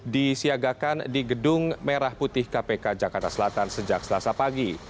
disiagakan di gedung merah putih kpk jakarta selatan sejak selasa pagi